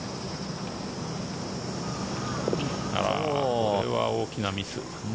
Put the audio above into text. これは大きなミス。